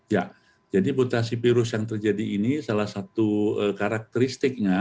ya jadi mutasi virus yang terjadi ini salah satu karakteristiknya